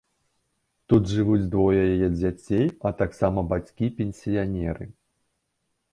Тут жывуць двое яе дзяцей, а таксама бацькі-пенсіянеры.